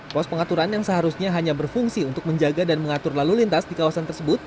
pos pengaturan yang seharusnya hanya berfungsi untuk menjaga dan mengatur lalu lintas di kawasan tersebut